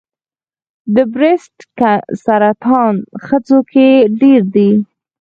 د بریسټ سرطان ښځو کې ډېر دی.